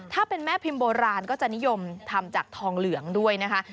ถ้าเป็นแม่พิมพ์โบราณก็จะนิยมทำจากทองเหลืองด้วยนะคะ